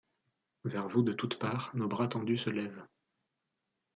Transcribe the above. Vers vous de toutes parts, nos bras tendus se lèvent.